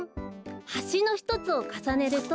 はしのひとつをかさねると。